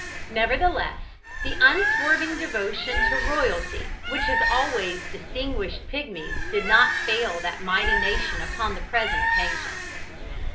Nevertheless, the unswerving devotion to royalty which has always distinguished Pigmies did not fail that mighty nation upon the present occasion.